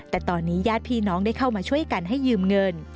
แต่ตอนนี้ญาติพี่น้องได้เข้ามาช่วยกันให้ยืมเงิน